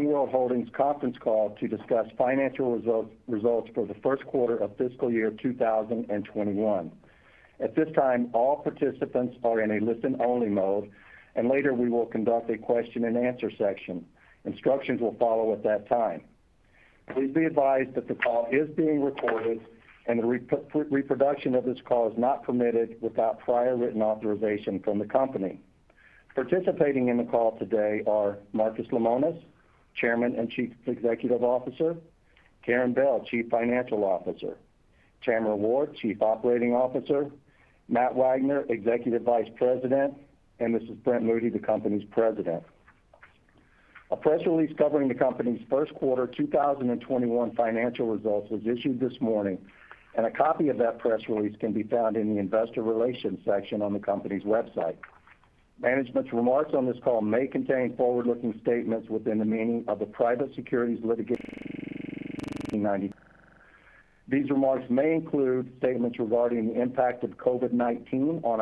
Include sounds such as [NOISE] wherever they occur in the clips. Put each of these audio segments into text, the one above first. Camping World Holdings conference call to discuss financial results for the first quarter of fiscal year 2021. At this time, all participants are in a listen-only mode, and later we will conduct a question and answer section. Instructions will follow at that time. Please be advised that the call is being recorded, and the reproduction of this call is not permitted without prior written authorization from the company. Participating in the call today are Marcus Lemonis, Chairman and Chief Executive Officer; Karin Bell, Chief Financial Officer; Tamara Ward, Chief Operating Officer; Matt Wagner, Executive Vice President; and this is Brent Moody, the company's President. A press release covering the company's first quarter 2021 financial results was issued this morning, and a copy of that press release can be found in the Investor Relations section on the company's website. Management's remarks on this call may contain forward-looking statements within the meaning of the Private Securities [Litigation Reform Act of 1995]. These remarks may include statements regarding the impact of COVID-19 on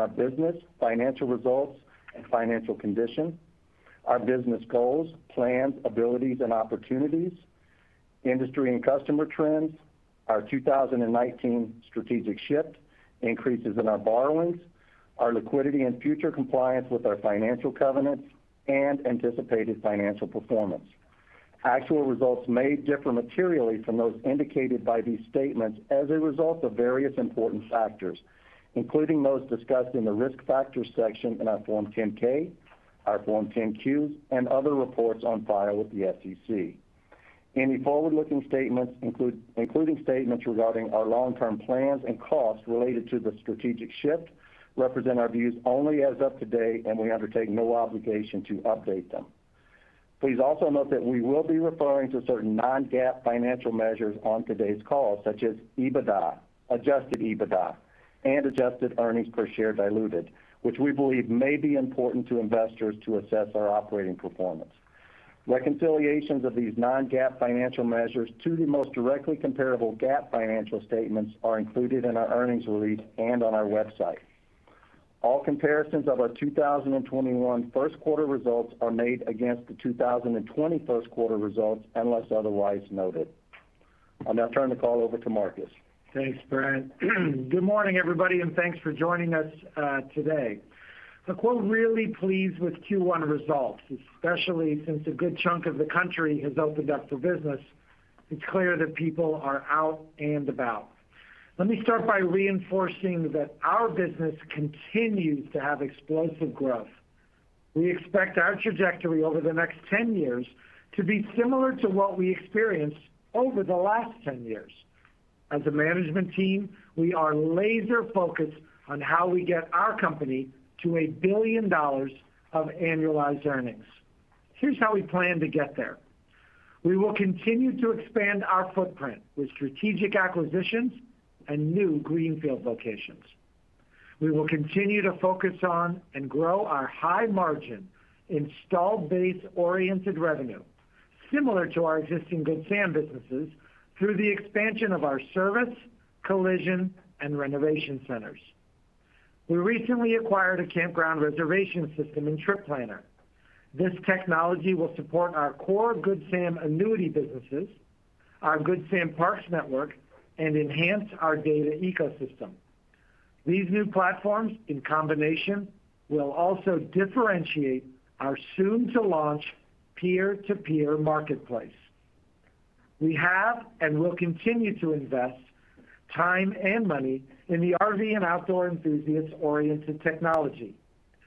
our business, financial results, and financial condition, our business goals, plans, abilities, and opportunities, industry and customer trends, our 2019 strategic shift, increases in our borrowings, our liquidity and future compliance with our financial covenants, and anticipated financial performance. Actual results may differ materially from those indicated by these statements as a result of various important factors, including those discussed in the Risk Factors section in our Form 10-K, our Form 10-Qs, and other reports on file with the SEC. Any forward-looking statements including statements regarding our long-term plans and costs related to the strategic shift, represent our views only as of to date, and we undertake no obligation to update them. Please also note that we will be referring to certain non-GAAP financial measures on today's call, such as EBITDA, adjusted EBITDA, and adjusted earnings per share diluted, which we believe may be important to investors to assess our operating performance. Reconciliations of these non-GAAP financial measures to the most directly comparable GAAP financial statements are included in our earnings release and on our website. All comparisons of our 2021 first quarter results are made against the 2020 first quarter results, unless otherwise noted. I'll now turn the call over to Marcus. Thanks, Brent. Good morning, everybody, and thanks for joining us today. The quote, "Really pleased with Q1 results," especially since a good chunk of the country has opened up for business, it's clear that people are out and about. Let me start by reinforcing that our business continues to have explosive growth. We expect our trajectory over the next 10 years to be similar to what we experienced over the last 10 years. As a management team, we are laser-focused on how we get our company to $1 billion of annualized earnings. Here's how we plan to get there. We will continue to expand our footprint with strategic acquisitions and new greenfield locations. We will continue to focus on and grow our high-margin installed base-oriented revenue, similar to our existing Good Sam businesses, through the expansion of our service, collision, and renovation centers. We recently acquired a campground reservation system in Trip Planner. This technology will support our core Good Sam annuity businesses, our Good Sam Parks network, and enhance our data ecosystem. These new platforms, in combination, will also differentiate our soon-to-launch peer-to-peer marketplace. We have and will continue to invest time and money in the RV and outdoor enthusiast-oriented technology,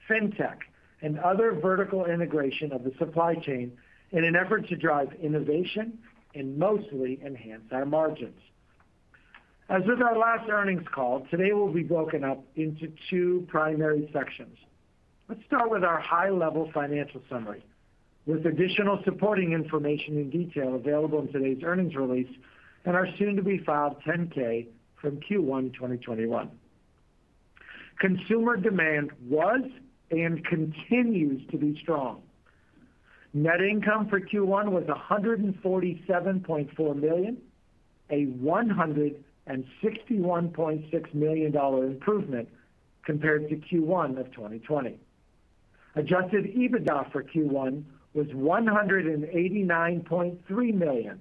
fintech, and other vertical integration of the supply chain in an effort to drive innovation and mostly enhance our margins. As with our last earnings call, today will be broken up into two primary sections. Let's start with our high-level financial summary, with additional supporting information and detail available in today's earnings release and our soon-to-be filed 10-K from Q1 2021. Consumer demand was and continues to be strong. Net income for Q1 was $147.4 million, a $161.6 million improvement compared to Q1 of 2020. Adjusted EBITDA for Q1 was $189.3 million,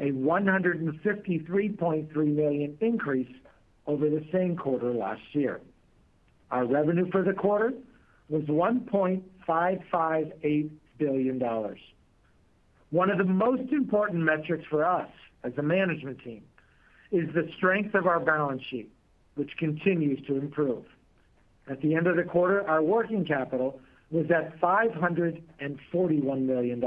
a $153.3 million increase over the same quarter last year. Our revenue for the quarter was $1.558 billion. One of the most important metrics for us as a management team is the strength of our balance sheet, which continues to improve. At the end of the quarter, our working capital was at $541 million.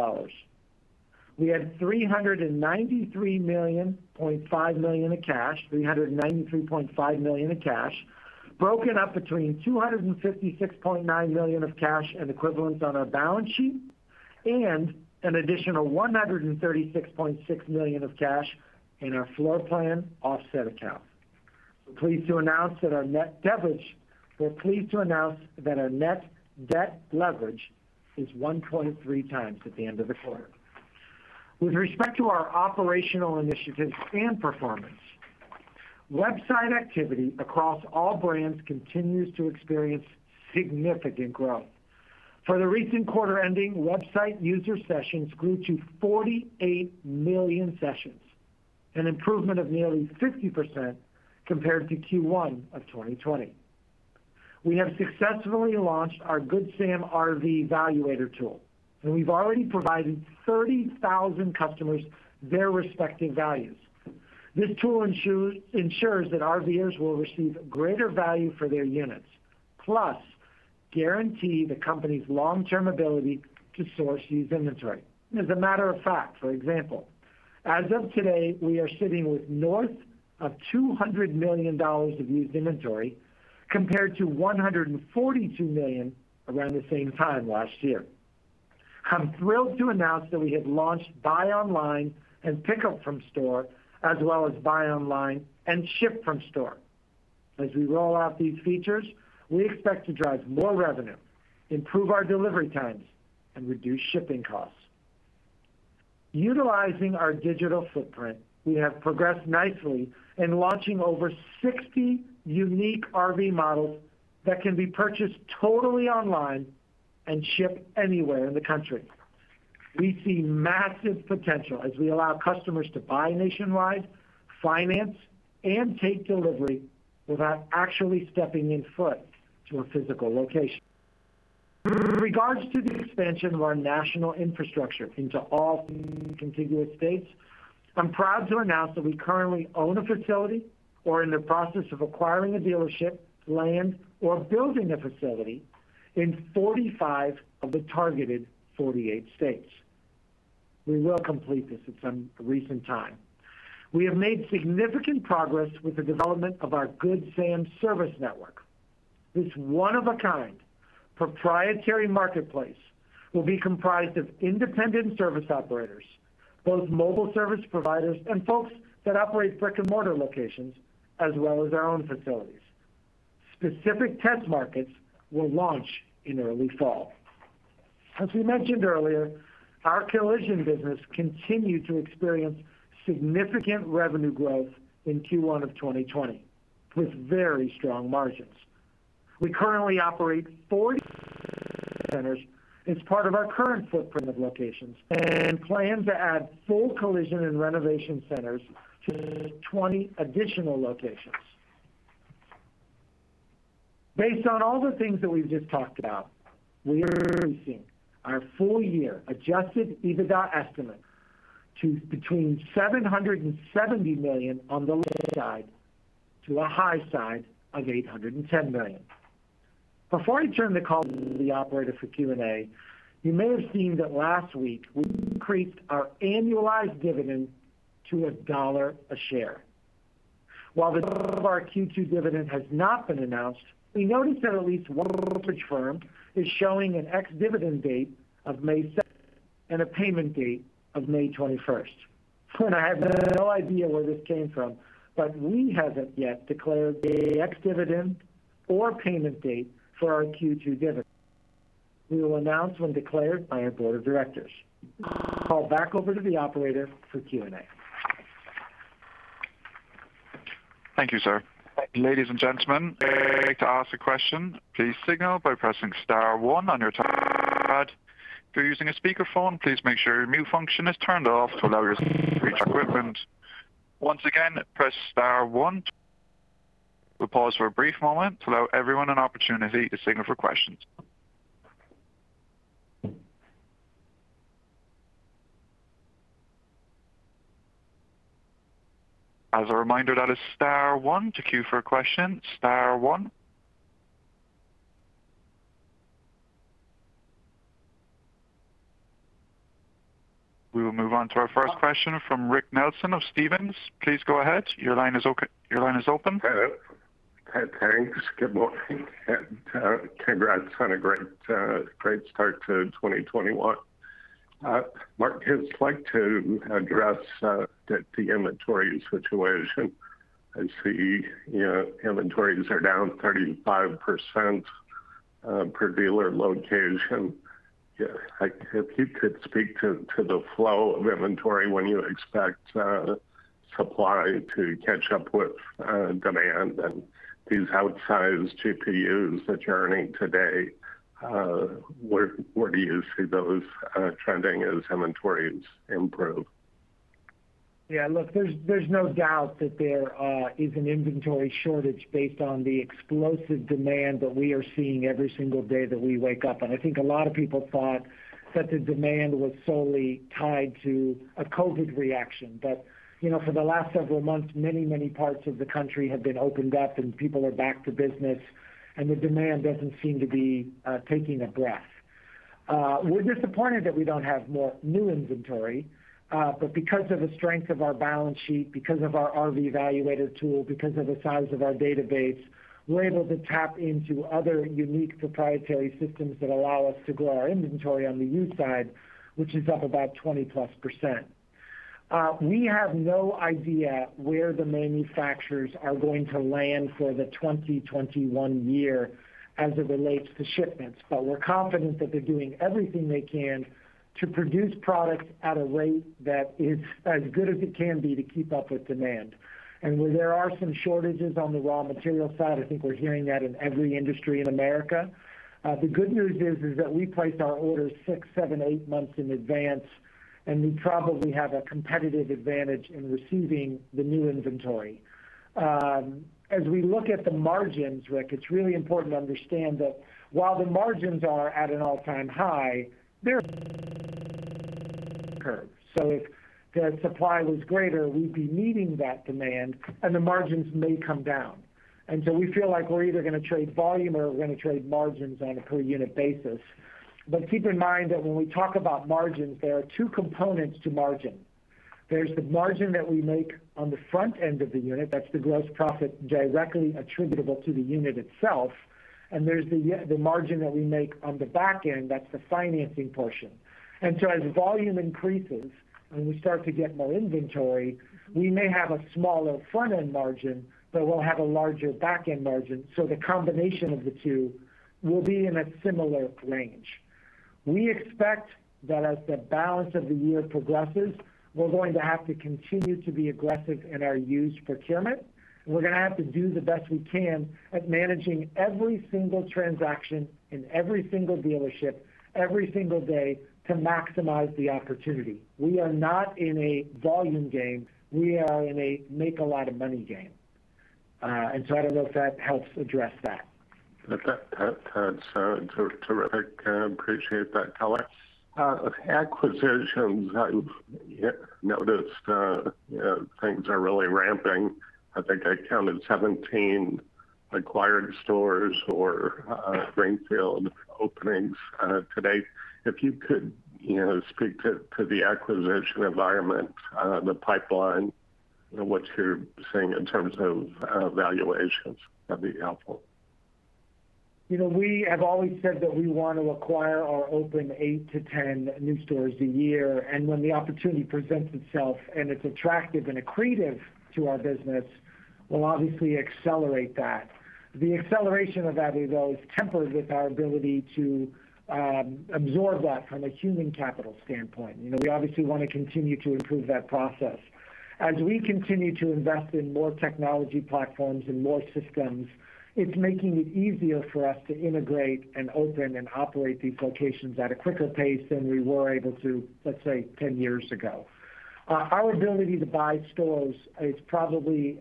We had $393.5 million of cash, broken up between $256.9 million of cash and equivalents on our balance sheet and an additional $136.6 million of cash in our floor plan offset account. We're pleased to announce that our net debt leverage is 1.3x at the end of the quarter. With respect to our operational initiatives and performance, website activity across all brands continues to experience significant growth. For the recent quarter ending, website user sessions grew to 48 million sessions, an improvement of nearly 50% compared to Q1 of 2020. We have successfully launched our Good Sam RV Valuator Tool, and we've already provided 30,000 customers their respective values. This tool ensures that RVers will receive greater value for their units, plus guarantee the company's long-term ability to source used inventory. As a matter of fact, for example, as of today, we are sitting with north of $200 million of used inventory, compared to $142 million around the same time last year. I'm thrilled to announce that we have launched buy online and pickup from store, as well as buy online and ship from store. As we roll out these features, we expect to drive more revenue, improve our delivery times, and reduce shipping costs. Utilizing our digital footprint, we have progressed nicely in launching over 60 unique RV models that can be purchased totally online and shipped anywhere in the country. We see massive potential as we allow customers to buy nationwide, finance, and take delivery without actually stepping in foot to a physical location. In regards to the expansion of our national infrastructure into all contiguous states, I'm proud to announce that we currently own a facility or are in the process of acquiring a dealership, land, or building a facility in 45 of the targeted 48 states. We will complete this at some recent time. We have made significant progress with the development of our Good Sam Service Network. This one-of-a-kind proprietary marketplace will be comprised of independent service operators, both mobile service providers and folks that operate brick-and-mortar locations, as well as our own facilities. Specific test markets will launch in early fall. As we mentioned earlier, our collision business continued to experience significant revenue growth in Q1 of 2020, with very strong margins. We currently operate 40 centers as part of our current footprint of locations, and plan to add full collision and renovation centers to 20 additional locations. Based on all the things that we've just talked about, we are increasing our full-year adjusted EBITDA estimate to between $770 million on the low side, to a high side of $810 million. Before I turn the call to the operator for Q&A, you may have seen that last week we increased our annualized dividend to $1 a share. While the total of our Q2 dividend has not been announced, we noticed that at least one brokerage firm is showing an ex-dividend date of May 7th and a payment date of May 21st. I have no idea where this came from, but we haven't yet declared the ex-dividend or payment date for our Q2 dividend. We will announce when declared by our board of directors. Call back over to the operator for Q&A. Thank you, sir. Ladies and gentlemen, to ask a question, please signal by pressing star one on your touchpad. If you are using a speakerphone, please make sure your mute function is turned off to allow your equipment. Once again, press star one. We will pause for a brief moment to allow everyone an opportunity to signal for questions. As a reminder, that is star one to queue for a question, star one. We will move on to our first question from Rick Nelson of Stephens. Please go ahead. Your line is open. Hello. Thanks. Good morning, and congrats on a great start to 2021. Marc, I'd like to address the inventory situation. I see inventories are down 35% per dealer location. If you could speak to the flow of inventory, when you expect supply to catch up with demand, and these outsized GPUs churning today, where do you see those trending as inventories improve? Yeah, look, there's no doubt that there is an inventory shortage based on the explosive demand that we are seeing every single day that we wake up. I think a lot of people thought that the demand was solely tied to a COVID reaction. For the last several months, many parts of the country have been opened up and people are back to business, and the demand doesn't seem to be taking a breath. We're disappointed that we don't have more new inventory. Because of the strength of our balance sheet, because of our RV Valuator Tool, because of the size of our database, we're able to tap into other unique proprietary systems that allow us to grow our inventory on the used side, which is up about 20%+. We have no idea where the manufacturers are going to land for the 2021 year as it relates to shipments. We're confident that they're doing everything they can to produce products at a rate that is as good as it can be to keep up with demand. Where there are some shortages on the raw material side, I think we're hearing that in every industry in America. The good news is that we place our orders six, seven, eight months in advance, and we probably have a competitive advantage in receiving the new inventory. As we look at the margins, Rick, it's really important to understand that while the margins are at an all-time high, they're. [AUDIO DISTORTION] If the supply was greater, we'd be meeting that demand, and the margins may come down. We feel like we're either going to trade volume, or we're going to trade margins on a per unit basis. Keep in mind that when we talk about margins, there are two components to margin. There's the margin that we make on the front end of the unit, that's the gross profit directly attributable to the unit itself, and there's the margin that we make on the back end, that's the financing portion. As volume increases and we start to get more inventory, we may have a smaller front-end margin, but we'll have a larger back-end margin. The combination of the two will be in a similar range. We expect that as the balance of the year progresses, we're going to have to continue to be aggressive in our used procurement. We're going to have to do the best we can at managing every single transaction in every single dealership, every single day, to maximize the opportunity. We are not in a volume game. We are in a make-a-lot-of-money game. I don't know if that helps address that. That's terrific. I appreciate that color. Acquisitions, I've noticed things are really ramping. I think I counted 17 acquired stores or greenfield openings to date. If you could speak to the acquisition environment, the pipeline, and what you're seeing in terms of valuations, that'd be helpful. We have always said that we want to acquire or open 8-10 new stores a year. When the opportunity presents itself and it's attractive and accretive to our business, we'll obviously accelerate that. The acceleration of that is always tempered with our ability to absorb that from a human capital standpoint. We obviously want to continue to improve that process. As we continue to invest in more technology platforms and more systems, it's making it easier for us to integrate and open and operate these locations at a quicker pace than we were able to, let's say, 10 years ago. Our ability to buy stores is probably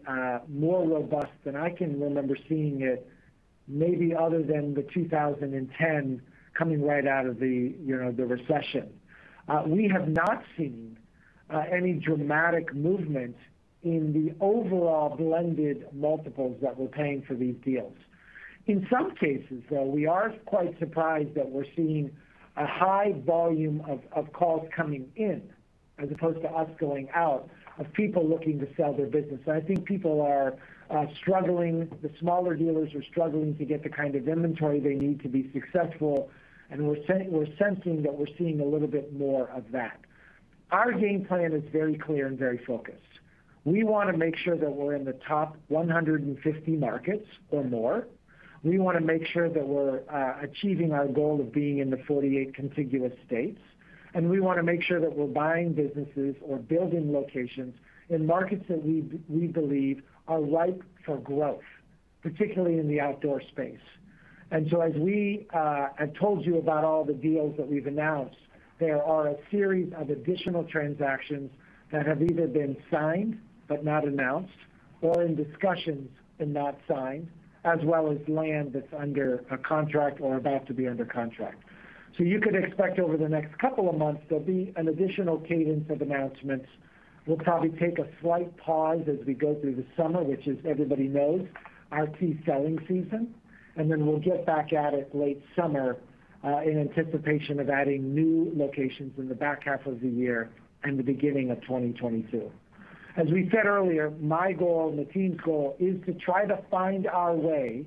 more robust than I can remember seeing it, maybe other than the 2010, coming right out of the recession. We have not seen any dramatic movement in the overall blended multiples that we're paying for these deals. In some cases, though, we are quite surprised that we're seeing a high volume of calls coming in, as opposed to us going out, of people looking to sell their business. I think people are struggling. The smaller dealers are struggling to get the kind of inventory they need to be successful, and we're sensing that we're seeing a little bit more of that. Our game plan is very clear and very focused. We want to make sure that we're in the top 150 markets or more. We want to make sure that we're achieving our goal of being in the 48 contiguous states. We want to make sure that we're buying businesses or building locations in markets that we believe are ripe for growth, particularly in the outdoor space. As we have told you about all the deals that we've announced, there are a series of additional transactions that have either been signed but not announced or in discussions and not signed, as well as land that's under a contract or about to be under contract. You could expect over the next couple of months, there'll be an additional cadence of announcements. We'll probably take a slight pause as we go through the summer, which as everybody knows, our key selling season. Then we'll get back at it late summer, in anticipation of adding new locations in the back half of the year and the beginning of 2022. As we said earlier, my goal and the team's goal is to try to find our way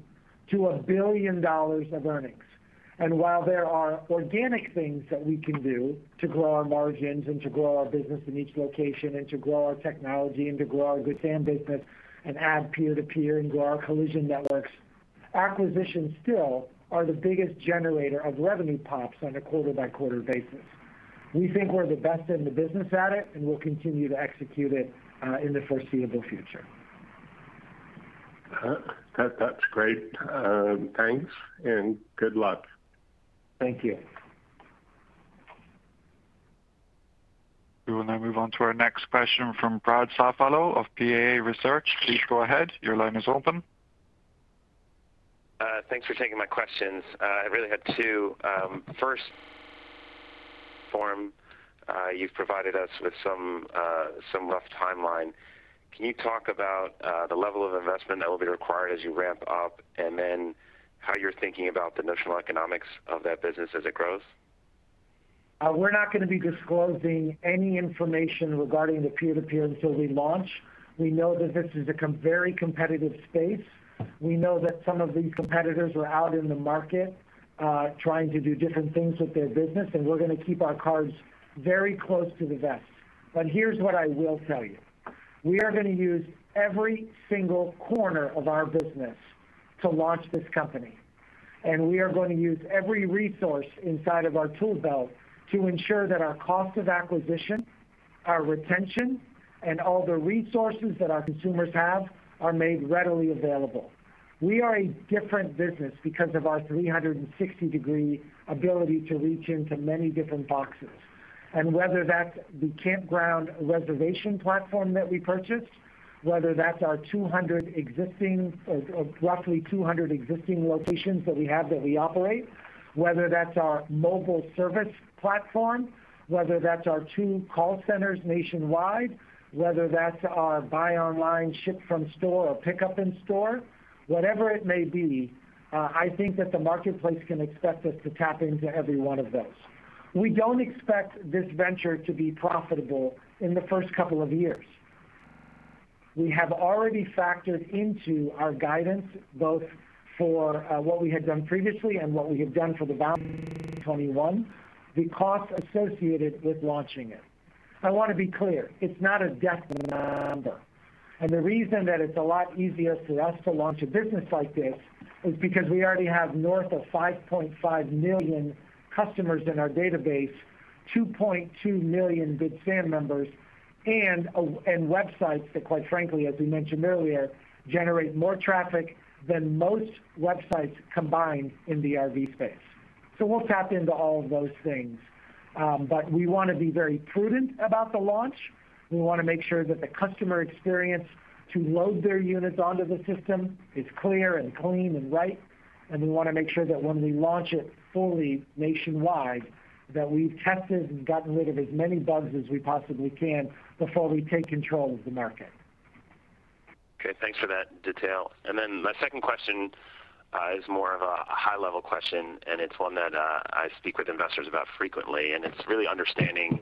to $1 billion of earnings. While there are organic things that we can do to grow our margins and to grow our business in each location and to grow our technology and to grow our Good Sam business and add peer-to-peer and grow our collision networks, acquisitions still are the biggest generator of revenue pops on a quarter-by-quarter basis. We think we're the best in the business at it, and we'll continue to execute it in the foreseeable future. That's great. Thanks, and good luck. Thank you. We will now move on to our next question from Brad Safalow of PAA Research. Please go ahead. Your line is open. Thanks for taking my questions. I really had two. First, form. You've provided us with some rough timeline. Can you talk about the level of investment that will be required as you ramp up, and then how you're thinking about the national economics of that business as it grows? We're not going to be disclosing any information regarding the peer-to-peer until we launch. We know that this is a very competitive space. We know that some of these competitors are out in the market trying to do different things with their business, and we're going to keep our cards very close to the vest. Here's what I will tell you. We are going to use every single corner of our business to launch this company, and we are going to use every resource inside of our tool belt to ensure that our cost of acquisition, our retention, and all the resources that our consumers have are made readily available. We are a different business because of our 360-degree ability to reach into many different boxes. Whether that's the campground reservation platform that we purchased, whether that's our roughly 200 existing locations that we have that we operate, whether that's our mobile service platform, whether that's our two call centers nationwide, whether that's our buy online, ship from store, or pickup in store, whatever it may be, I think that the marketplace can expect us to tap into every one of those. We don't expect this venture to be profitable in the first couple of years. We have already factored into our guidance, both for what we had done previously and what we have done for the 2021, the cost associated with launching it. I want to be clear, it's not a number. The reason that it's a lot easier for us to launch a business like this is because we already have north of 5.5 million customers in our database, 2.2 million Good Sam members, and websites that, quite frankly, as we mentioned earlier, generate more traffic than most websites combined in the RV space. We'll tap into all of those things. We want to be very prudent about the launch. We want to make sure that the customer experience to load their units onto the system is clear and clean and right, and we want to make sure that when we launch it fully nationwide, that we've tested and gotten rid of as many bugs as we possibly can before we take control of the market. Okay. Thanks for that detail. My second question is more of a high-level question, and it's one that I speak with investors about frequently, and it's really understanding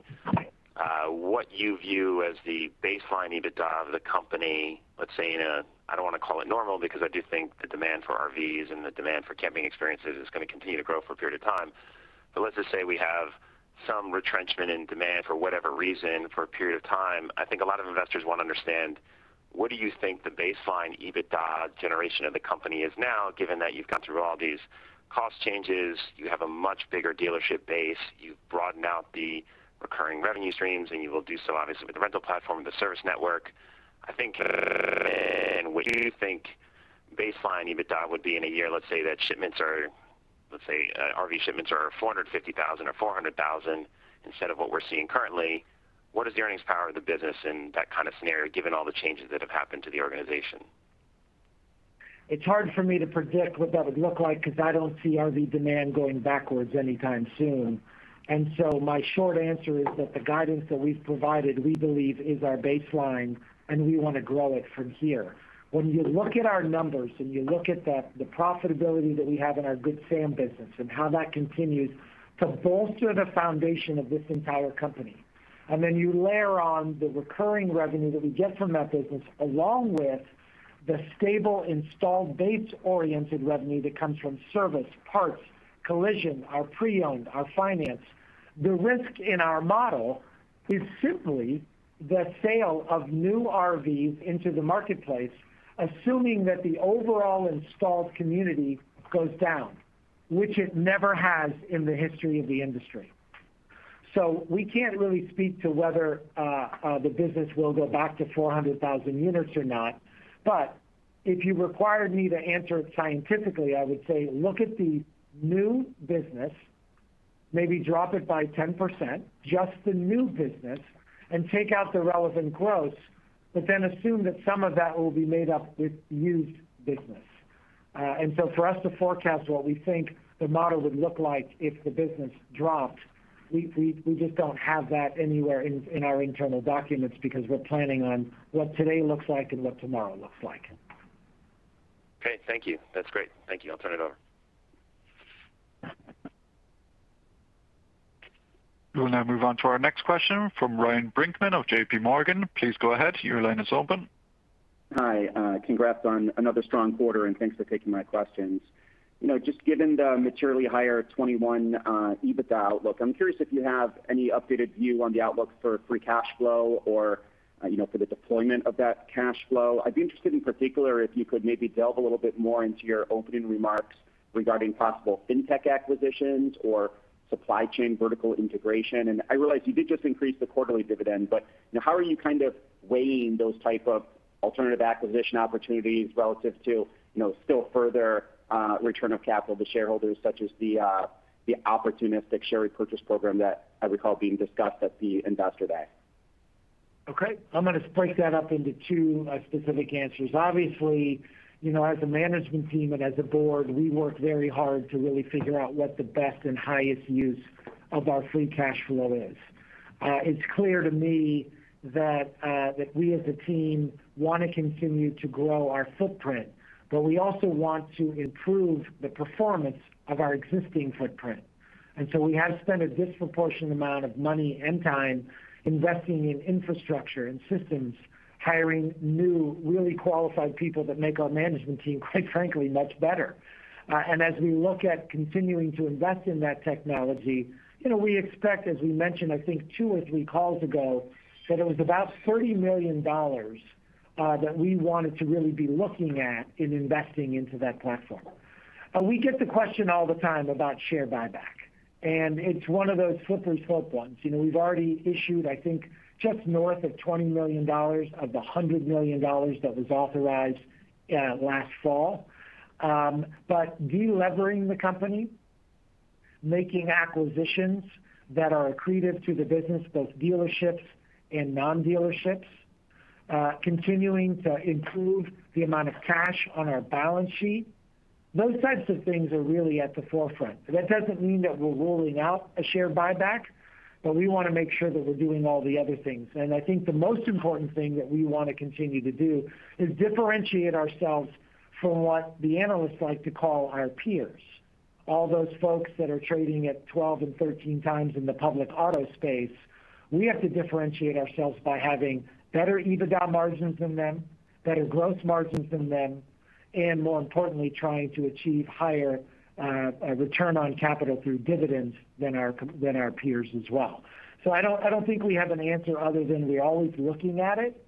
what you view as the baseline EBITDA of the company, let's say, in a, I don't want to call it normal because I do think the demand for RVs and the demand for camping experiences is going to continue to grow for a period of time. Let's just say we have some retrenchment in demand for whatever reason for a period of time. I think a lot of investors want to understand, what do you think the baseline EBITDA generation of the company is now, given that you've gone through all these cost changes, you have a much bigger dealership base, you've broadened out the recurring revenue streams, and you will do so obviously with the rental platform and the service network? I think, what do you think baseline EBITDA would be in a year, let's say that RV shipments are 450,000 or 400,000 instead of what we're seeing currently? What is the earnings power of the business in that kind of scenario, given all the changes that have happened to the organization? It's hard for me to predict what that would look like because I don't see RV demand going backwards anytime soon. My short answer is that the guidance that we've provided, we believe is our baseline, and we want to grow it from here. When you look at our numbers and you look at the profitability that we have in our Good Sam business and how that continues to bolster the foundation of this entire company, and then you layer on the recurring revenue that we get from that business, along with the stable, installed base-oriented revenue that comes from service, parts, collision, our pre-owned, our finance. The risk in our model is simply the sale of new RVs into the marketplace, assuming that the overall installed community goes down, which it never has in the history of the industry. We can't really speak to whether the business will go back to 400,000 units or not. If you required me to answer it scientifically, I would say, look at the new business, maybe drop it by 10%, just the new business, and take out the relevant growth, but then assume that some of that will be made up with used business. For us to forecast what we think the model would look like if the business dropped, we just don't have that anywhere in our internal documents because we're planning on what today looks like and what tomorrow looks like. Okay. Thank you. That's great. Thank you. I'll turn it over. We will now move on to our next question from Ryan Brinkman of JPMorgan. Please go ahead. Your line is open. Hi. Congrats on another strong quarter, thanks for taking my questions. Just given the materially higher 2021 EBITDA outlook, I'm curious if you have any updated view on the outlook for free cash flow or for the deployment of that cash flow. I'd be interested in particular if you could maybe delve a little bit more into your opening remarks regarding possible fintech acquisitions or supply chain vertical integration. I realize you did just increase the quarterly dividend, now how are you kind of weighing those type of alternative acquisition opportunities relative to still further return of capital to shareholders, such as the opportunistic share repurchase program that I recall being discussed at the Investor Day? Okay. I'm going to split that up into two specific answers. Obviously, as a management team and as a board, we work very hard to really figure out what the best and highest use of our free cash flow is. It's clear to me that we as a team want to continue to grow our footprint, but we also want to improve the performance of our existing footprint. We have spent a disproportionate amount of money and time investing in infrastructure and systems, hiring new, really qualified people that make our management team, quite frankly, much better. As we look at continuing to invest in that technology, we expect, as we mentioned, I think, two or three calls ago, that it was about $30 million that we wanted to really be looking at and investing into that platform. We get the question all the time about share buyback, and it's one of those slippery slope ones. We've already issued, I think, just north of $20 million of the $100 million that was authorized last fall. De-levering the company, making acquisitions that are accretive to the business, both dealerships and non-dealerships, continuing to improve the amount of cash on our balance sheet, those types of things are really at the forefront. That doesn't mean that we're ruling out a share buyback, but we want to make sure that we're doing all the other things. I think the most important thing that we want to continue to do is differentiate ourselves from what the analysts like to call our peers. All those folks that are trading at 12x and 13x in the public auto space, we have to differentiate ourselves by having better EBITDA margins than them, better gross margins than them, and more importantly, trying to achieve higher return on capital through dividends than our peers as well. I don't think we have an answer other than we're always looking at it.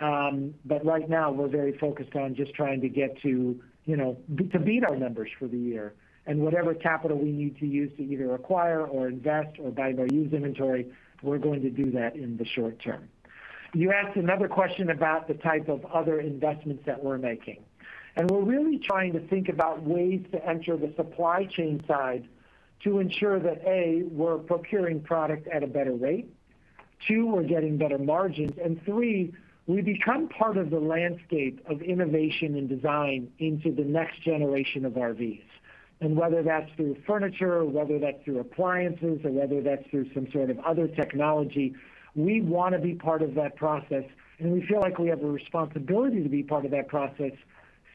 Right now, we're very focused on just trying to beat our numbers for the year. Whatever capital we need to use to either acquire or invest or buy more used inventory, we're going to do that in the short term. You asked another question about the type of other investments that we're making, and we're really trying to think about ways to enter the supply chain side to ensure that, A, we're procuring product at a better rate. Two, we're getting better margins. Three, we become part of the landscape of innovation and design into the next generation of RVs. Whether that's through furniture, or whether that's through appliances, or whether that's through some sort of other technology, we want to be part of that process. We feel like we have a responsibility to be part of that process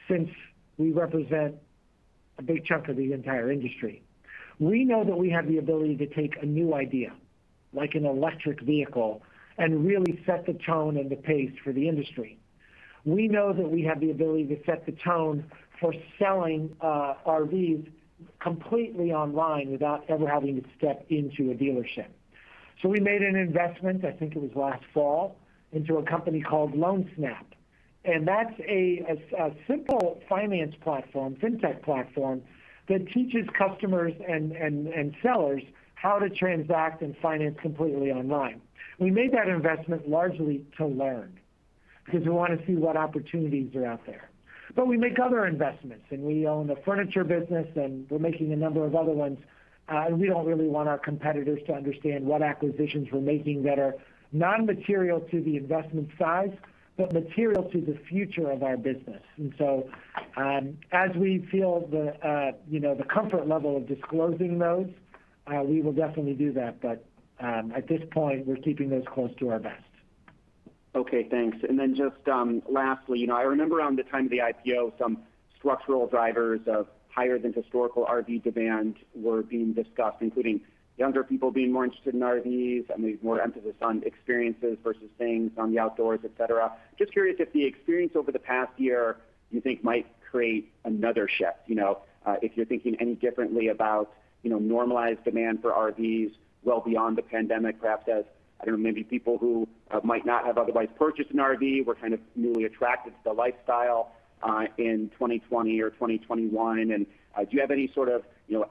since we represent a big chunk of the entire industry. We know that we have the ability to take a new idea, like an electric vehicle, and really set the tone and the pace for the industry. We know that we have the ability to set the tone for selling RVs completely online without ever having to step into a dealership. We made an investment, I think it was last fall, into a company called LoanSnap. That's a simple finance platform, fintech platform that teaches customers and sellers how to transact and finance completely online. We made that investment largely to learn, because we want to see what opportunities are out there. We make other investments, and we own a furniture business, and we're making a number of other ones. We don't really want our competitors to understand what acquisitions we're making that are non-material to the investment size, but material to the future of our business. As we feel the comfort level of disclosing those, we will definitely do that. At this point, we're keeping those close to our vest. Okay, thanks. Then just lastly, I remember around the time of the IPO, some structural drivers of higher than historical RV demand were being discussed, including younger people being more interested in RVs and the more emphasis on experiences versus things on the outdoors, et cetera. Just curious if the experience over the past year you think might create another shift. If you're thinking any differently about normalized demand for RVs well beyond the pandemic, perhaps as maybe people who might not have otherwise purchased an RV, were kind of newly attracted to the lifestyle in 2020 or 2021. Do you have any sort of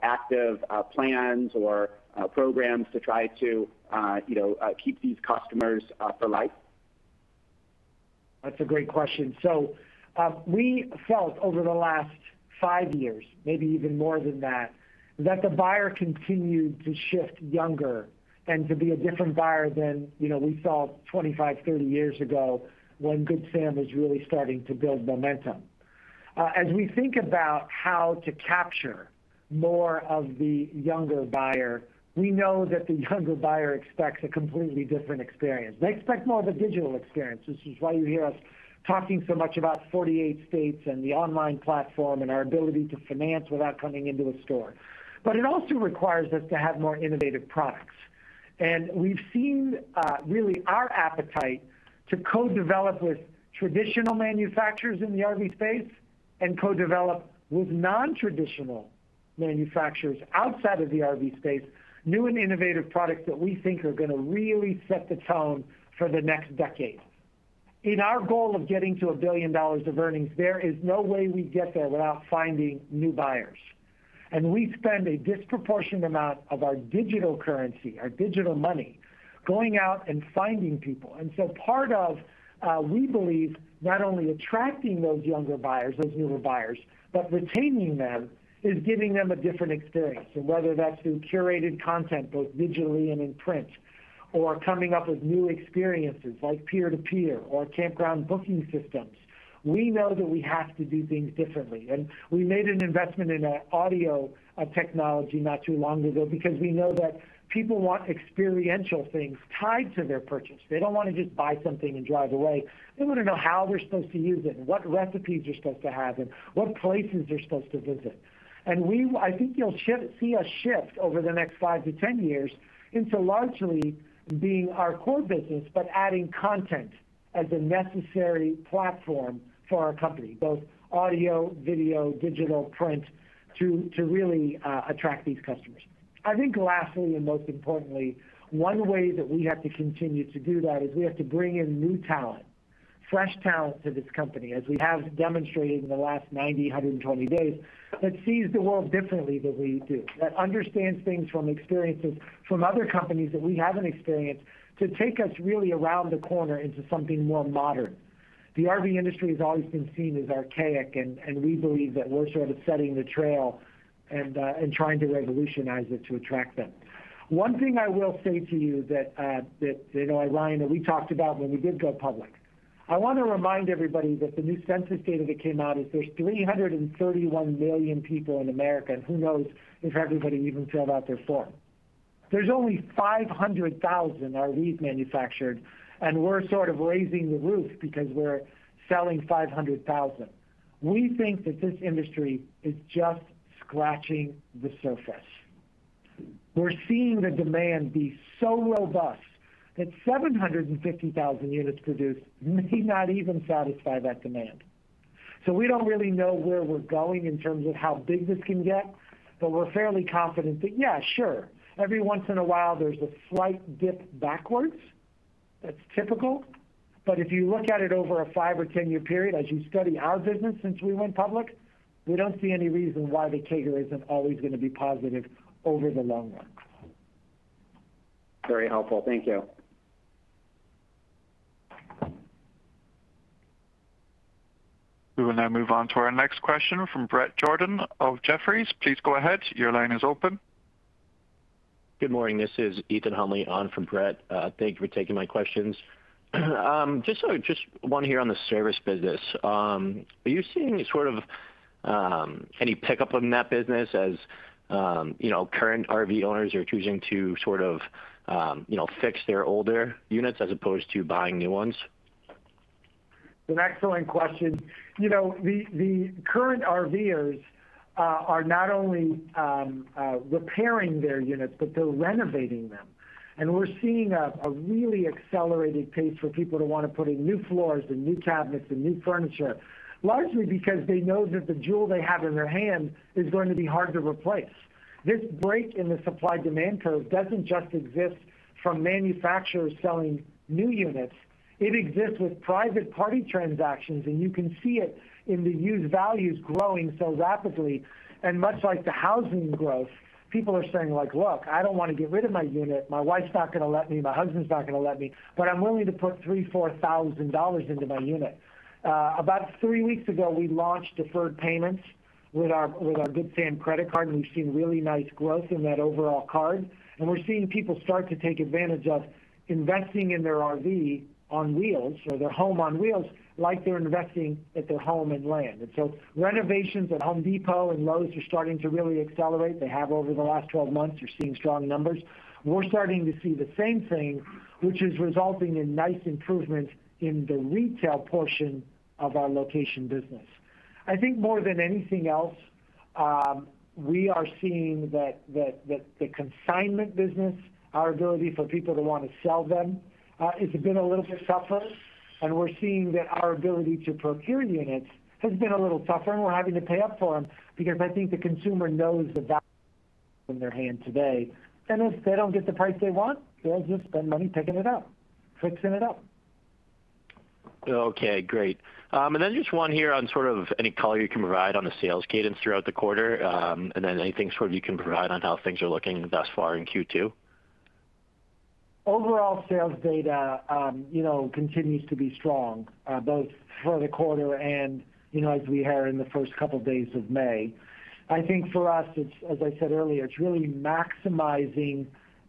active plans or programs to try to keep these customers for life? That's a great question. We felt over the last five years, maybe even more than that the buyer continued to shift younger and to be a different buyer than we saw 25, 30 years ago when Good Sam was really starting to build momentum. As we think about how to capture more of the younger buyer, we know that the younger buyer expects a completely different experience. They expect more of a digital experience, which is why you hear us talking so much about 48 states and the online platform and our ability to finance without coming into a store. It also requires us to have more innovative products. We've seen really our appetite to co-develop with traditional manufacturers in the RV space and co-develop with non-traditional manufacturers outside of the RV space, new and innovative products that we think are going to really set the tone for the next decade. In our goal of getting to $1 billion of earnings, there is no way we get there without finding new buyers. We spend a disproportionate amount of our digital currency, our digital money, going out and finding people. Part of, we believe, not only attracting those younger buyers, those newer buyers, but retaining them is giving them a different experience. Whether that's through curated content, both digitally and in print, or coming up with new experiences like peer-to-peer or campground booking systems. We know that we have to do things differently. We made an investment in audio technology not too long ago because we know that people want experiential things tied to their purchase. They don't want to just buy something and drive away. They want to know how they're supposed to use it and what recipes they're supposed to have and what places they're supposed to visit. I think you'll see us shift over the next 5-10 years into largely being our core business, but adding content as a necessary platform for our company, both audio, video, digital, print, to really attract these customers. I think lastly, and most importantly, one way that we have to continue to do that is we have to bring in new talent, fresh talent to this company as we have demonstrated in the last 90, 120 days, that sees the world differently than we do, that understands things from experiences from other companies that we haven't experienced, to take us really around the corner into something more modern. The RV industry has always been seen as archaic, and we believe that we're sort of setting the trail and trying to revolutionize it to attract them. One thing I will say to you that, I know, Ryan, that we talked about when we did go public. I want to remind everybody that the new census data that came out is there's 331 million people in America, and who knows if everybody even filled out their form. There's only 500,000 RVs manufactured, and we're sort of raising the roof because we're selling 500,000. We think that this industry is just scratching the surface. We're seeing the demand be so robust that 750,000 units produced may not even satisfy that demand. We don't really know where we're going in terms of how big this can get, but we're fairly confident that yeah, sure, every once in a while, there's a slight dip backwards. That's typical. If you look at it over a five or 10-year period, as you study our business since we went public, we don't see any reason why the CAGR isn't always going to be positive over the long run. Very helpful. Thank you. We will now move on to our next question from Bret Jordan of Jefferies. Please go ahead. Your line is open. Good morning. This is Ethan Huntley on from Bret. Thank you for taking my questions. Just one here on the service business. Are you seeing any pickup in that business as current RV owners are choosing to fix their older units as opposed to buying new ones? It's an excellent question. The current RVers are not only repairing their units, but they're renovating them. We're seeing a really accelerated pace for people to want to put in new floors and new cabinets and new furniture, largely because they know that the jewel they have in their hand is going to be hard to replace. This break in the supply-demand curve doesn't just exist from manufacturers selling new units. It exists with private party transactions, and you can see it in the used values growing so rapidly. Much like the housing growth, people are saying, "Look, I don't want to get rid of my unit. My wife's not going to let me, my husband's not going to let me, but I'm willing to put $3,000, $4,000 into my unit." About three weeks ago, we launched deferred payments with our Good Sam credit card, and we've seen really nice growth in that overall card. We're seeing people start to take advantage of investing in their RV on wheels, or their home on wheels, like they're investing at their home and land. Renovations at Home Depot and Lowe's are starting to really accelerate. They have over the last 12 months. They're seeing strong numbers. We're starting to see the same thing, which is resulting in nice improvements in the retail portion of our location business. I think more than anything else, we are seeing that the consignment business, our ability for people to want to sell them, has been a little bit tougher, and we're seeing that our ability to procure units has been a little tougher, and we're having to pay up for them because I think the consumer knows the value in their hand today. If they don't get the price they want, they'll just spend money picking it up, fixing it up. Okay. Great. Just one here on any color you can provide on the sales cadence throughout the quarter, and then anything you can provide on how things are looking thus far in Q2. Overall sales data continues to be strong, both for the quarter and as we had in the first couple of days of May. I think for us, as I said earlier, it's really maximizing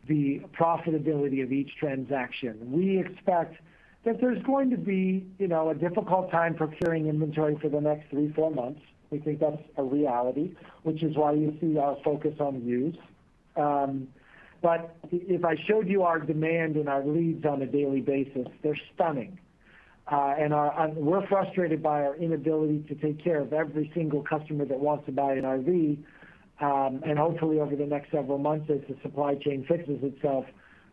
the profitability of each transaction. We expect that there's going to be a difficult time procuring inventory for the next three, four months. We think that's a reality, which is why you see our focus on used. If I showed you our demand and our leads on a daily basis, they're stunning. We're frustrated by our inability to take care of every single customer that wants to buy an RV. Hopefully, over the next several months, as the supply chain fixes itself,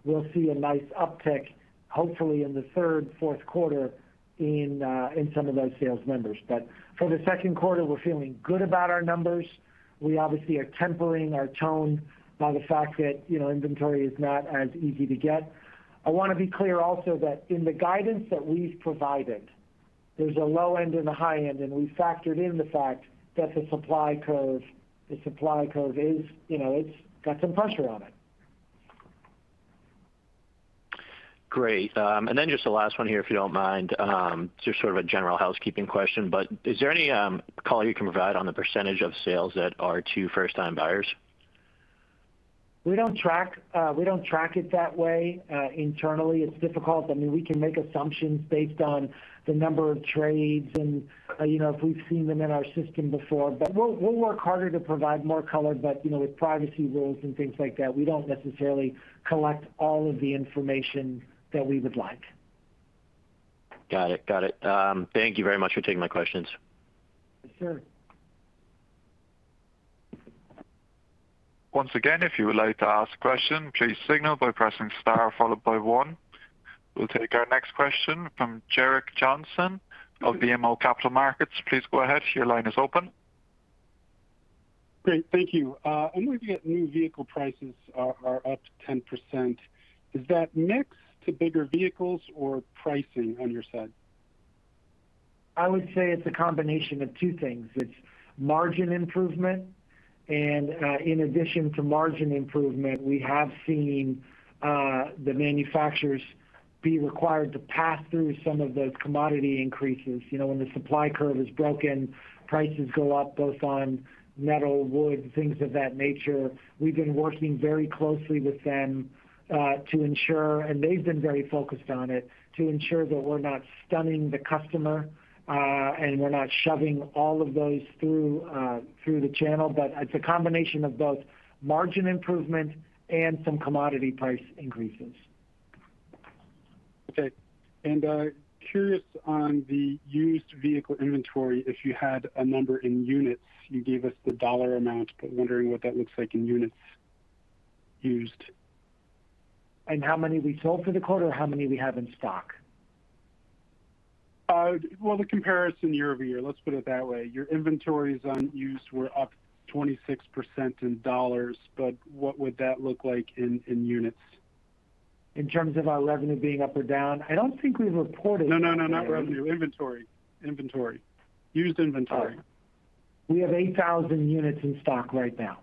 we'll see a nice uptick, hopefully in the third, fourth quarter in some of those sales numbers. For the second quarter, we're feeling good about our numbers. We obviously are tempering our tone by the fact that inventory is not as easy to get. I want to be clear also that in the guidance that we've provided, there's a low end and a high end, and we factored in the fact that the supply curve. It's got some pressure on it. Great. Just the last one here, if you don't mind. Just a general housekeeping question, is there any color you can provide on the percentage of sales that are to first-time buyers? We don't track it that way internally. It's difficult. We can make assumptions based on the number of trades and if we've seen them in our system before. We'll work harder to provide more color. With privacy rules and things like that, we don't necessarily collect all of the information that we would like. Got it. Thank you very much for taking my questions. Sure. Once again, if you would like to ask a question, please signal by pressing star followed by one. We'll take our next question from Gerrick Johnson of BMO Capital Markets. Please go ahead. Your line is open. Great. Thank you. I'm looking at new vehicle prices are up 10%. Is that mix to bigger vehicles or pricing on your side? I would say it's a combination of two things. It's margin improvement and, in addition to margin improvement, we have seen the manufacturers be required to pass through some of those commodity increases. When the supply curve is broken, prices go up, both on metal, wood, things of that nature. We've been working very closely with them to ensure, and they've been very focused on it, to ensure that we're not stunning the customer, and we're not shoving all of those through the channel. But it's a combination of both margin improvement and some commodity price increases. Okay. Curious on the used vehicle inventory, if you had a number in units. You gave us the dollar amount, wondering what that looks like in units used. In how many we sold for the quarter, or how many we have in stock? Well, the comparison year-over-year, let's put it that way. Your inventories on used were up 26% in dollars, but what would that look like in units? In terms of our revenue being up or down? I don't think we've reported- No, not revenue. Inventory. Used inventory. We have 8,000 units in stock right now.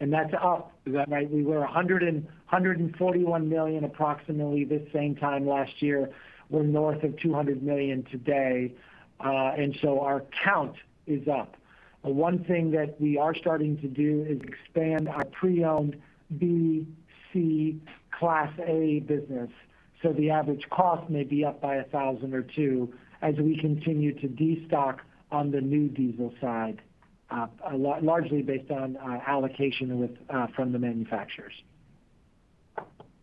That's up. Is that right? We were $141 million approximately this same time last year. We're north of $200 million today. Our count is up. One thing that we are starting to do is expand our pre-owned B, C, Class A business. The average cost may be up by $1,000 or $2,000 as we continue to de-stock on the new diesel side, largely based on allocation from the manufacturers.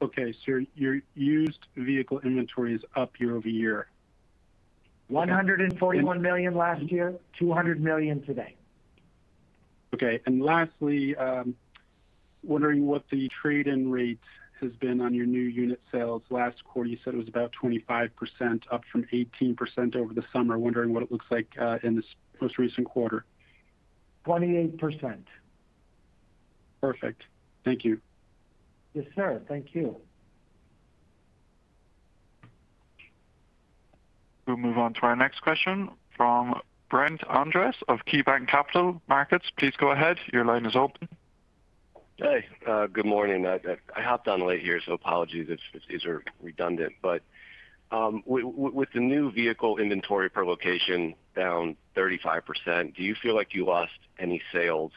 Okay. Your used vehicle inventory is up year-over-year? $141 million last year, $200 million today. Lastly, wondering what the trade-in rate has been on your new unit sales? Last quarter, you said it was about 25%, up from 18% over the summer. Wondering what it looks like in this most recent quarter? 28%. Perfect. Thank you. Yes, sir. Thank you. We'll move on to our next question from Brett Andress of KeyBanc Capital Markets. Please go ahead. Your line is open. Hey, good morning. I hopped on late here, so apologies if these are redundant. With the new vehicle inventory per location down 35%, do you feel like you lost any sales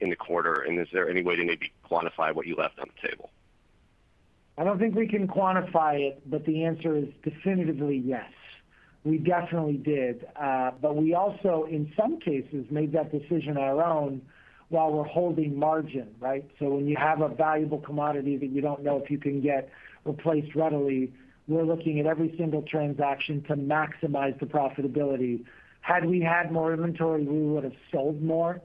in the quarter? Is there any way to maybe quantify what you left on the table? I don't think we can quantify it, but the answer is definitively yes. We definitely did. We also, in some cases, made that decision our own while we're holding margin, right? When you have a valuable commodity that you don't know if you can get replaced readily, we're looking at every single transaction to maximize the profitability. Had we had more inventory, we would've sold more,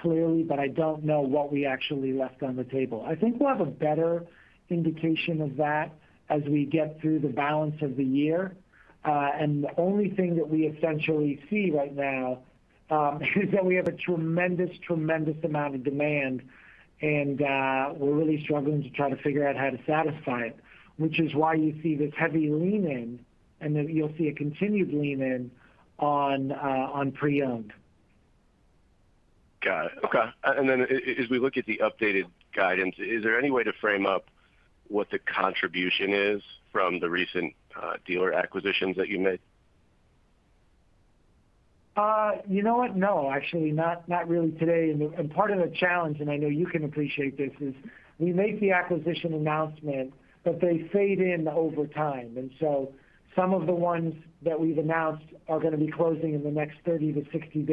clearly, but I don't know what we actually left on the table. I think we'll have a better indication of that as we get through the balance of the year. The only thing that we essentially see right now is that we have a tremendous amount of demand, and we're really struggling to try to figure out how to satisfy it, which is why you see this heavy lean in, and then you'll see a continued lean in on pre-owned. Got it. Okay. As we look at the updated guidance, is there any way to frame up what the contribution is from the recent dealer acquisitions that you made? You know what? No. Actually, not really today. Part of the challenge, and I know you can appreciate this, is we make the acquisition announcement, but they fade in over time. Some of the ones that we've announced are going to be closing in the next 30-60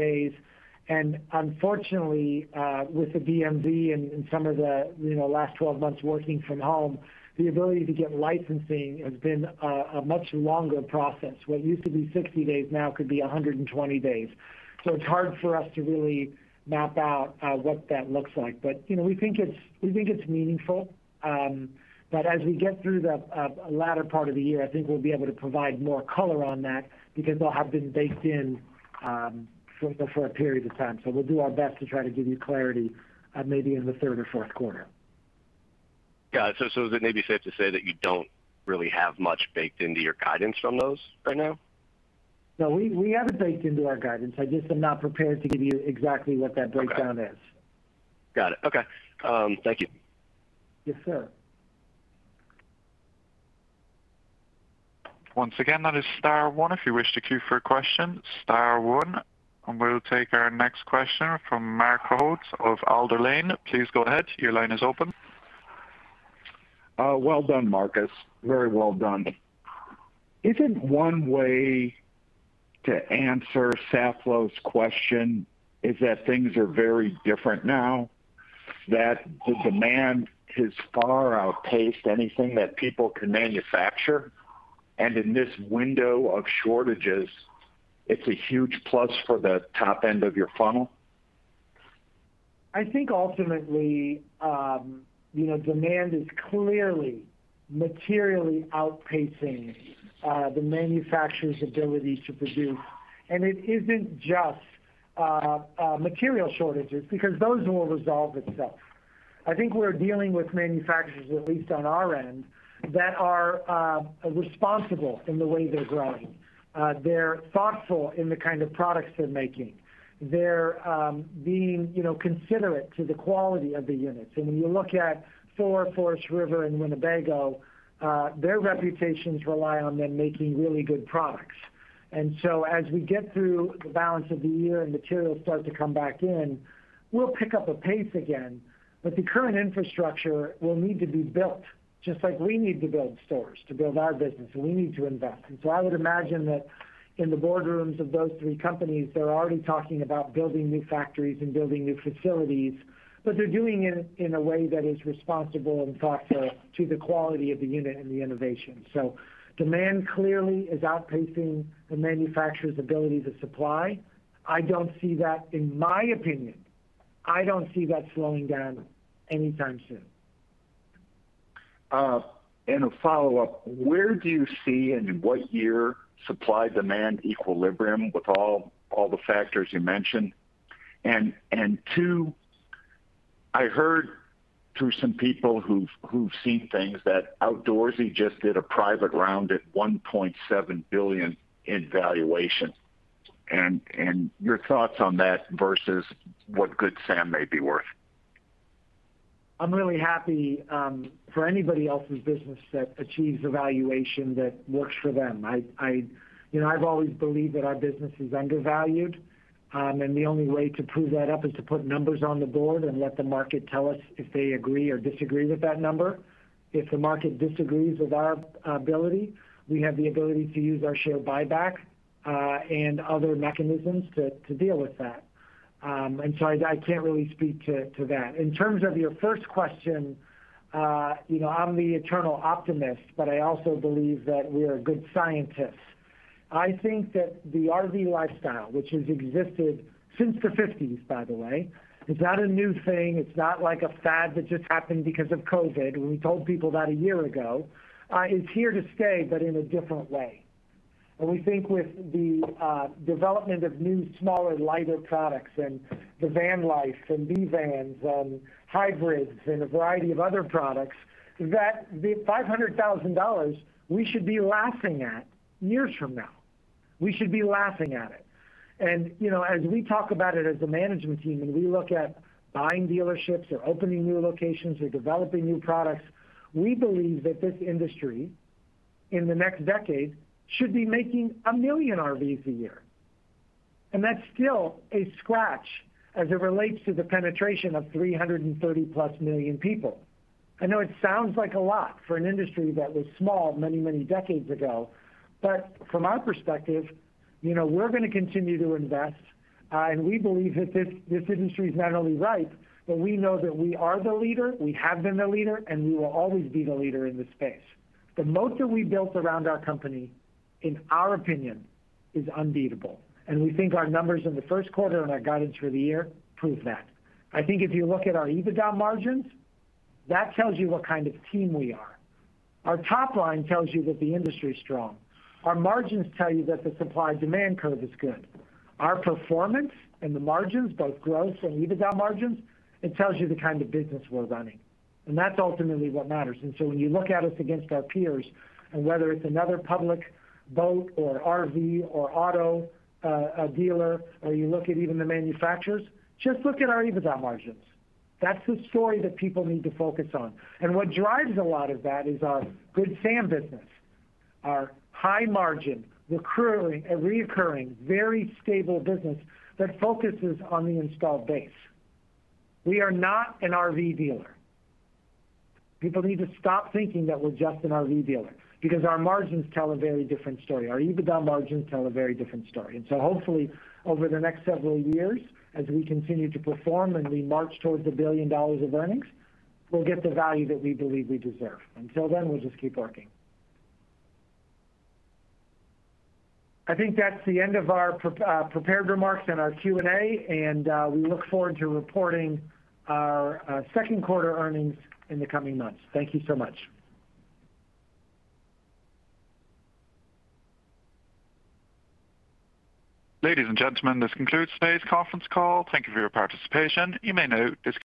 days. Unfortunately, with the DMV and some of the last 12 months working from home, the ability to get licensing has been a much longer process. What used to be 60 days now could be 120 days. It's hard for us to really map out what that looks like. We think it's meaningful. As we get through the latter part of the year, I think we'll be able to provide more color on that because they'll have been baked in for a period of time. We'll do our best to try to give you clarity maybe in the third or fourth quarter. Got it. Is it maybe safe to say that you don't really have much baked into your guidance from those right now? No, we have it baked into our guidance. I just am not prepared to give you exactly what that breakdown is. Got it. Okay. Thank you. Yes, sir. Once again, that is star one if you wish to queue for a question. Star one. We'll take our next question from Mark Holtz of Alder Lane. Please go ahead. Your line is open. Well done, Marcus. Very well done. Isn't one way to answer Safalow's question is that things are very different now, that the demand has far outpaced anything that people can manufacture? In this window of shortages, it's a huge plus for the top end of your funnel? I think ultimately, demand is clearly materially outpacing the manufacturer's ability to produce. It isn't just material shortages, because those will resolve itself. I think we're dealing with manufacturers, at least on our end, that are responsible in the way they're growing. They're thoughtful in the kind of products they're making. They're being considerate to the quality of the units. When you look at Thor, Forest River, and Winnebago, their reputations rely on them making really good products. As we get through the balance of the year and materials start to come back in, we'll pick up a pace again. The current infrastructure will need to be built, just like we need to build stores to build our business, and we need to invest. I would imagine that in the boardrooms of those three companies, they're already talking about building new factories and building new facilities, but they're doing it in a way that is responsible and thoughtful to the quality of the unit and the innovation. Demand clearly is outpacing the manufacturer's ability to supply. In my opinion, I don't see that slowing down anytime soon. A follow-up, where do you see, and in what year, supply-demand equilibrium with all the factors you mentioned? Two, I heard through some people who've seen things that Outdoorsy just did a private round at $1.7 billion in valuation. And your thoughts on that versus what Good Sam may be worth. I'm really happy for anybody else's business that achieves a valuation that works for them. I've always believed that our business is undervalued, and the only way to prove that up is to put numbers on the board and let the market tell us if they agree or disagree with that number. If the market disagrees with our ability, we have the ability to use our share buyback, and other mechanisms to deal with that. I can't really speak to that. In terms of your first question, I'm the eternal optimist, but I also believe that we are good scientists. I think that the RV lifestyle, which has existed since the 1950s, by the way, is not a new thing. It's not like a fad that just happened because of COVID-19. We told people that a year ago. It's here to stay, but in a different way. We think with the development of new, smaller, lighter products and the van life and B vans and hybrids and a variety of other products, that the $500,000 we should be laughing at years from now. We should be laughing at it. As we talk about it as a management team, and we look at buying dealerships or opening new locations or developing new products, we believe that this industry, in the next decade, should be making 1 million RVs a year. That's still a scratch as it relates to the penetration of 330+ million people. I know it sounds like a lot for an industry that was small many, many decades ago, but from our perspective, we're going to continue to invest. We believe that this industry is not only ripe, but we know that we are the leader, we have been the leader, and we will always be the leader in this space. The moat that we built around our company, in our opinion, is unbeatable, and we think our numbers in the first quarter and our guidance for the year prove that. I think if you look at our EBITDA margins, that tells you what kind of team we are. Our top line tells you that the industry's strong. Our margins tell you that the supply-demand curve is good. Our performance and the margins, both gross and EBITDA margins, it tells you the kind of business we're running. That's ultimately what matters. When you look at us against our peers, whether it's another public boat or RV or auto dealer, or you look at even the manufacturers, just look at our EBITDA margins. That's the story that people need to focus on. What drives a lot of that is our Good Sam business, our high margin, recurring, reoccurring, very stable business that focuses on the installed base. We are not an RV dealer. People need to stop thinking that we're just an RV dealer, because our margins tell a very different story. Our EBITDA margins tell a very different story. Hopefully, over the next several years, as we continue to perform and we march towards the $1 billion of earnings, we'll get the value that we believe we deserve. Until then, we'll just keep working. I think that's the end of our prepared remarks and our Q&A. We look forward to reporting our second quarter earnings in the coming months. Thank you so much. Ladies and gentlemen, this concludes today's conference call. Thank you for your participation. You may now disconnect.